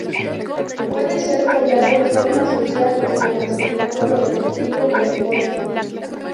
Puede ser bailado en forma social o como espectáculo deportivo o deporte.